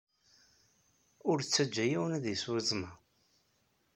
Ur ttaǧǧa yiwen ad isew iẓem-a.